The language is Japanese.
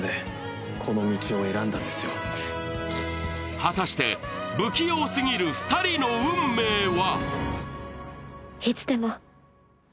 果たして不器用すぎる２人の運命は？